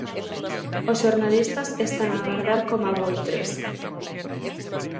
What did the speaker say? Os xornalistas están a agardar coma voitres.